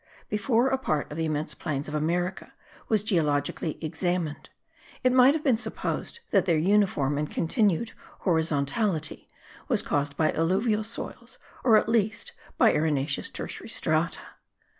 Before a part of the immense plains of America was geologically examined, it might have been supposed that their uniform and continued horizontality was caused by alluvial soils, or at least by arenaceous tertiary strata.